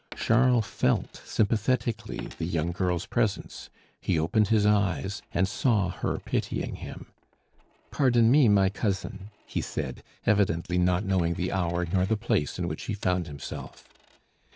Charles felt sympathetically the young girl's presence; he opened his eyes and saw her pitying him. "Pardon me, my cousin," he said, evidently not knowing the hour nor the place in which he found himself.